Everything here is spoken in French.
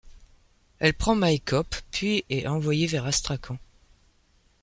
Elle prend Maïkop puis est envoyée vers Astrakhan.